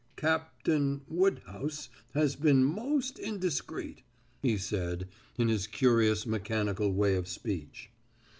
"Cap tain Wood house has been most in discreet," he said, in his curious mechanical way of speech.